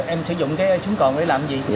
em sử dụng cái súng còn để làm gì